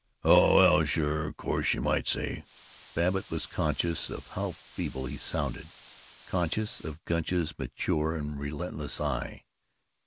"Oh, well sure Course you might say " Babbitt was conscious of how feeble he sounded, conscious of Gunch's mature and relentless eye.